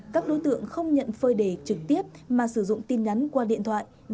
các đối tượng không nhận phơi đề trực tiếp mà sử dụng tin nhắn qua điện thoại gia lô facebook